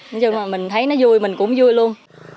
nói chung là mình thấy nó vui mình cũng vui luôn